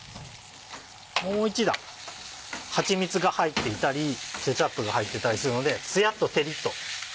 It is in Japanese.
もう一段はちみつが入っていたりケチャップが入ってたりするのでつやっと照りっと。